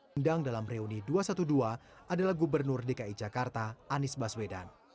endang dalam reuni dua ratus dua belas adalah gubernur dki jakarta anies baswedan